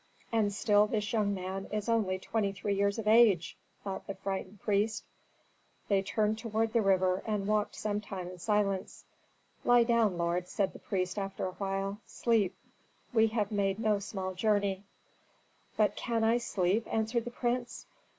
"And still this young man is only twenty three years of age!" thought the frightened priest. They turned toward the river and walked some time in silence. "Lie down, lord," said the priest, after a while; "sleep. We have made no small journey." "But can I sleep?" answered the prince.